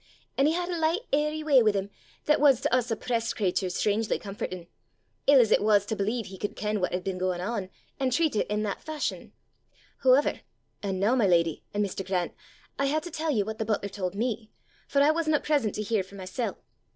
An' he had a licht airy w'y wi' him, that was to us oppresst craturs strangely comfortin', ill as it was to believe he could ken what had been gaein' on, an' treat it i' that fashion! Hooever, an' noo, my leddy, an' Mr. Grant, I hae to tell ye what the butler told me, for I wasna present to hear for mysel'.